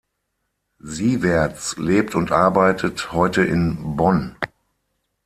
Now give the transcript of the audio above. Sieverts lebt und arbeitet heute in Bonn.